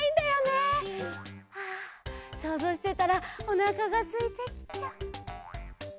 あそうぞうしてたらおなかがすいてきた。